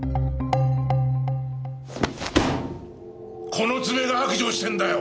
この爪が白状してんだよ！